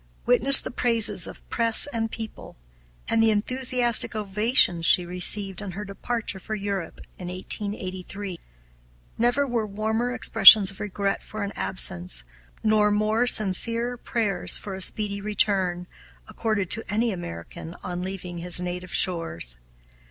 Witness the praises of press and people, and the enthusiastic ovations she received on her departure for Europe in 1883. Never were warmer expressions of regret for an absence, nor more sincere prayers for a speedy return, accorded to any American on leaving his native shores.